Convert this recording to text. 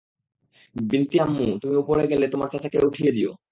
বিন্তি আম্মু, তুমি ঊপরে গেলে, তোমার চাচাকে উঠিয়ে দিও।